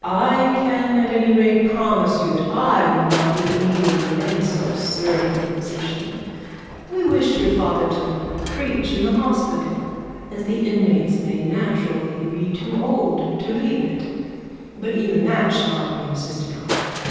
I can at any rate promise you that I will not be the medium of any so absurd a requisition. We wished your father to preach in the hospital, as the inmates may naturally be too old to leave it; but even that shall not be insisted on.